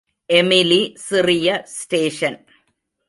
Emily சிறிய station.